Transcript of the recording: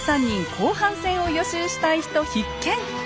後半戦を予習したい人必見！